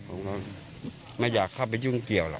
ผมก็ไม่อยากเข้าไปยุ่งเกี่ยวหรอก